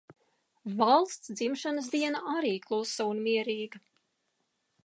Valsts dzimšanas diena arī klusa un mierīga.